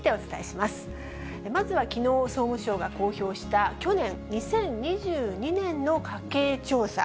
まずはきのう、総務省が公表した去年・２０２２年の家計調査。